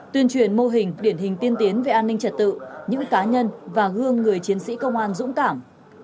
tuyên truyền mô hình điển hình tiên tiến về an ninh trật tự những cá nhân và gương người chiến sĩ công an dũng cảm